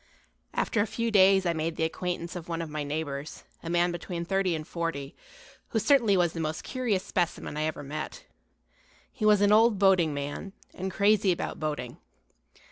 After a few days I made the acquaintance of one of my neighbors, a man between thirty and forty, who certainly was the most curious specimen I ever met. He was an old boating man, and crazy about boating.